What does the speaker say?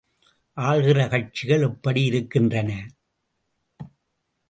ஆள்கிற கட்சிகள் எப்படி இருக்கின்றன?